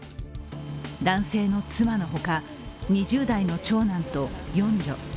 男性の妻のほか２０代の長男と四女